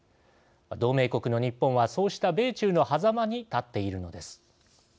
同盟国の日本はそうした米中のはざまに立っているのです。